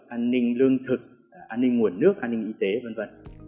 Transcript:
an ninh lương thực an ninh nguồn nước an ninh y tế v v